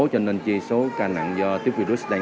cho nên chi số ca nặng do tích virus đen hai